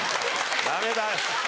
ダメだ。